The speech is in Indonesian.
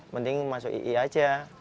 mending masuk ie aja